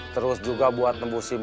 terus juga buat nebusim